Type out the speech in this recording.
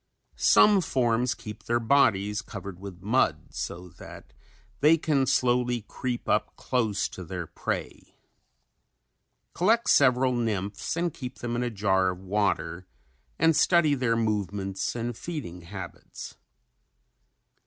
Some forms keep their bodies covered with mud so that they can slowly creep up close to their prey. Collect several nymphs and keep them in a jar of water and study their movements and feeding habits.